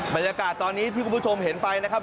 บรรยากาศตอนนี้ที่คุณผู้ชมเห็นไปนะครับ